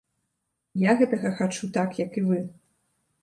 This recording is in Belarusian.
Я гэтага хачу так, як і вы.